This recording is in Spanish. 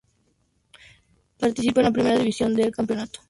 Participa en la Primera División del Campeonato Argentino de Rugby.